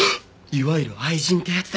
いわゆる愛人ってやつだ。